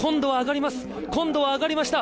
今度は上がりました！